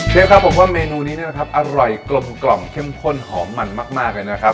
เชฟครับผมว่ามีเมนูนี้อร่อยกลมกล่อมเข้มข้นหอมมันมากเลยนะครับ